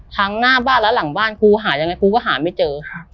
ทั้งหน้าบ้านและหลังบ้านกูหายังไงกูก็หาไม่เจอ